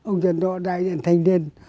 ông trần đỗ đại diện thanh niên